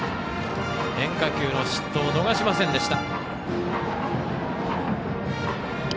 変化球の失投を逃しませんでした。